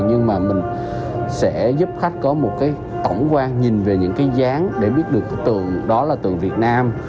nhưng mà mình sẽ giúp khách có một tổng quan nhìn về những cái dáng để biết được tượng đó là tượng việt nam